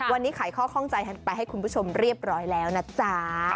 วันนี้ขายข้อข้องใจไปให้คุณผู้ชมเรียบร้อยแล้วนะจ๊ะ